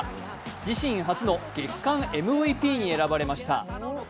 自身初の月間ＭＶＰに選ばれました。